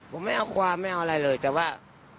ผมไม่เอาความไม่เอาอะไรเลยแต่ว่า